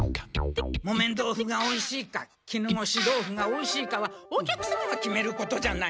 木綿豆腐がおいしいか絹ごし豆腐がおいしいかはお客様が決めることじゃないの。